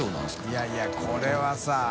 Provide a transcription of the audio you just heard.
いやいやこれは。